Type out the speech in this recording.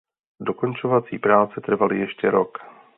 Dokončovací práce trvaly ještě rok.